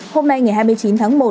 hôm nay ngày hai mươi chín tháng một